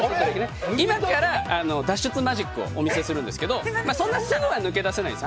今から脱出マジックをお見せするんですけどそんなすぐは抜け出せないです。